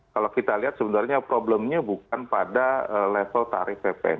kalau kita lihat sebenarnya problemnya bukan pada level tarif ppn